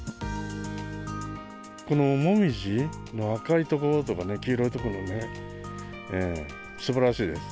この紅葉の赤いところとかね、黄色いところがね、すばらしいです。